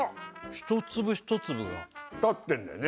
一粒一粒が立ってんだよね